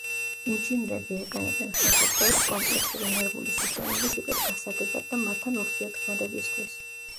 ინჟინრები იყენებენ ხელსაწყოებს კომპლექსური ნერვული სისტემების უკეთ გასაგებად და მათთან ურთიერთქმედებისთვის.